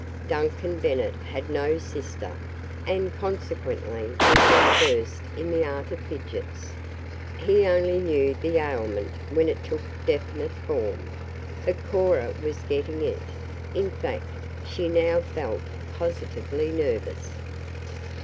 Duncan Bennet had no sister, and, consequently, was not versed in the art of "fidgets." He only knew the ailment when it took definite form. But Cora was getting it in fact, she now felt positively nervous.